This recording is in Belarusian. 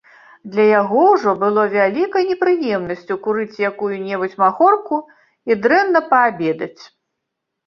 Для яго ўжо было вялікай непрыемнасцю курыць якую-небудзь махорку і дрэнна паабедаць.